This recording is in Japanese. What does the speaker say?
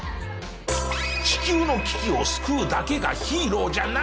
地球の危機を救うだけがヒーローじゃない。